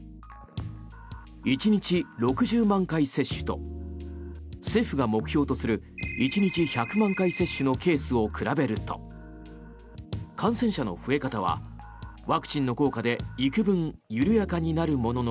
１日６０万回接種と政府が目標とする１日１００万回接種のケースを比べると感染者の増え方はワクチンの効果で幾分、緩やかになるものの